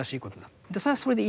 それはそれでいいんです。